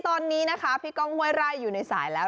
ตอนนี้นะคะพี่ก้องห้วยไร่อยู่ในสายแล้ว